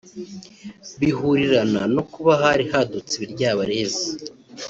bihurirana no kuba hari hadutse ibiryabarezi